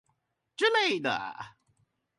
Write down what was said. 之類的